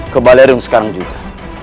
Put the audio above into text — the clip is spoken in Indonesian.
ke balerung sekarang juga